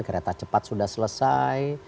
kereta cepat sudah selesai